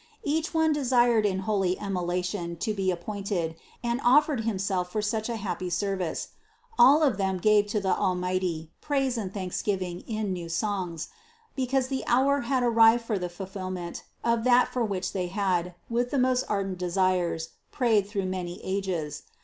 Each one desired in holy emulation to be appointed, and offered himself for such a happy service; all of them gave to the Almighty praise and thanksgiving in new songs, because the hour had ar rived for the fulfillment of that for which they had, with the most ardent desires, prayed through many ages.